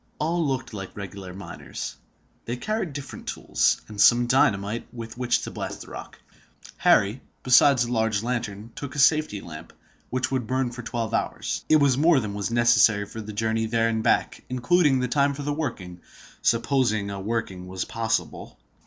All looked like regular miners. They carried different tools, and some dynamite with which to blast the rock. Harry, besides a large lantern, took a safety lamp, which would burn for twelve hours. It was more than was necessary for the journey there and back, including the time for the working—supposing a working was possible.